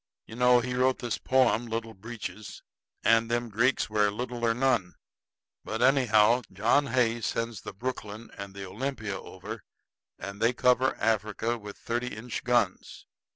You know he wrote this poem, 'Little Breeches'; and them Greeks wear little or none. But anyhow, John Hay sends the Brooklyn and the Olympia over, and they cover Africa with thirty inch guns.